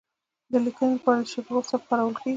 د لیکنې لپاره د شیکاګو سبک کارول کیږي.